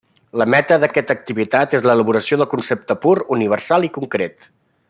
La meta d'aquesta activitat és l'elaboració del concepte pur, universal i concret.